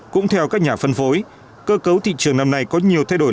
cũng theo các nhà phân phối cơ cấu thị trường năm nay có nhiều thay đổi